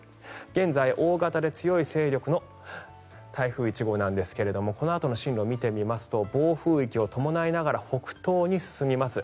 現在、大型で強い勢力の台風１号なんですがこのあとの進路を見てみますと暴風域を伴いながら北東に進みます。